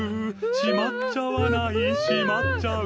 しまっちゃわない？しまっちゃう？